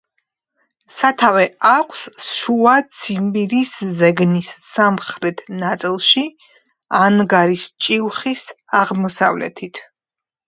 სათავე აქვს შუა ციმბირის ზეგნის სამხრეთ ნაწილში, ანგარის ჭიუხის აღმოსავლეთით.